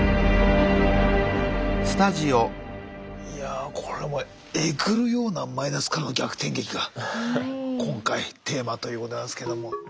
いやあこれはもうえぐるようなマイナスからの逆転劇が今回テーマということなんですけども。